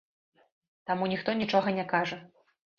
Таму ніхто нічога не кажа.